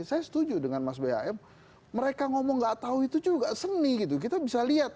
saya setuju dengan mas bam mereka ngomong gak tahu itu juga seni gitu kita bisa lihat